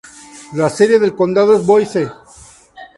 La sede del condado es Boise.